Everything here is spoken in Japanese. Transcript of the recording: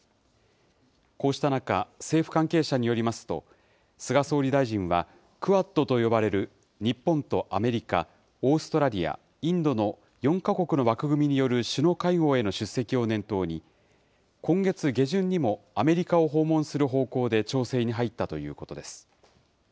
こうした中、政府関係者によりますと、菅総理大臣は、クアッドと呼ばれる日本とアメリカ、オーストラリア、インドの４か国の枠組みによる首脳会合への出席を念頭に、今月下旬にもアメリカを訪問する方向で調整に入ったということです。